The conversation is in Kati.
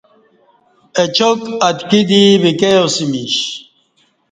اچاک اتکی دی ویکیاسمیش